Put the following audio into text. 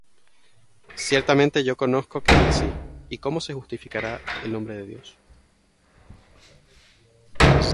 Ciertamente yo conozco que es así: ¿Y cómo se justificará el hombre con Dios?